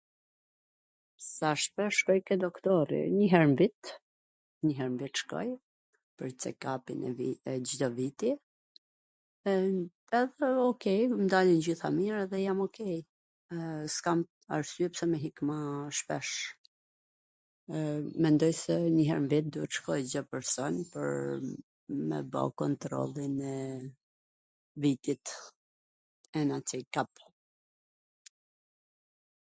Sa shpesh shkoj ke doktori, njw her n vit, njw her n vit shkoj, bwj Cek ap-in e Cdo viti edhe Okej, tw gjitha m dalin mir dhe jam Okej, s kam arsye pse me ik maa shpesh. Mendoj se njw her n vit duhet tw shkoj Cdo person pwr me bo kontrollin e vitit, ena tsek ap (ένα τσεκάπ).